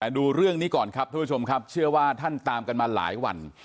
ดูเรื่องนี้ก่อนครับทุกผู้ชมครับเชื่อว่าท่านตามกันมาหลายวัน